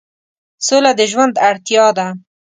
سوله د ژوند اړتیا ده.